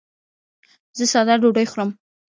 زه ساده ډوډۍ خورم.